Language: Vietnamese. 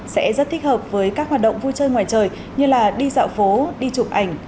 sẽ rất thích hợp với các hoạt động vui chơi ngoài trời như đi dạo phố đi chụp ảnh